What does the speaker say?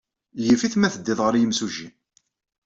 Yif-it ma teddiḍ ɣer yemsujji.